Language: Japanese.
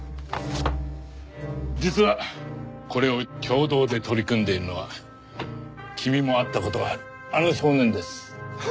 実はこれを共同で取り組んでいるのは君も会った事あるあの少年です。